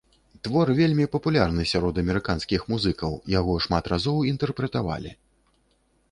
Твор вельмі папулярны сярод амерыканскіх музыкаў, яго шмат разоў інтэрпрэтавалі.